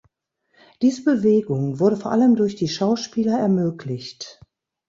Diese Bewegung wurde vor allem durch die Schauspieler ermöglicht.